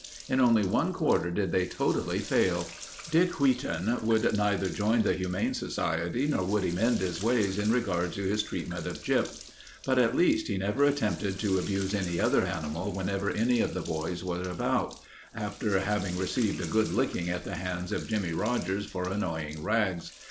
In only one quarter did they totally fail. Dick Wheat on would neither join the Humane Society nor would he mend his ways in regard to his treatment of Gyp. But at least he never attempted to abuse any other animal whenever any of the boys were about, after having received a good licking at the hands of Jimmie Rogers for annoying Rags.